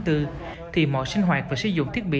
thì mọi sinh hoạt và sử dụng thiết bị